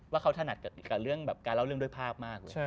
ว่าเขาถนัดกับการเล่าเรื่องด้วยภาพมาก